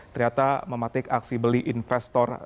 ternyata mematik aksi beli investor